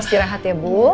istirahat ya bu